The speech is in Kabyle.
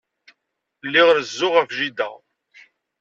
Lliɣ rezzuɣ ɣef jida.